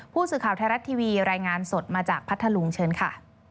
ผู้สื่อข่าวไทยรัฐทีวีรายงานสดมาจากพัทธลุงเชิญค่ะ